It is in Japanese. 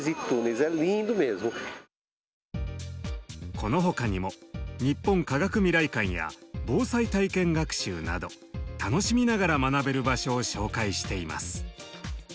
この他にも「日本科学未来館」や「防災体験学習」など楽しみながら学べる場所を紹介しています。